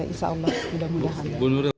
insya allah mudah mudahan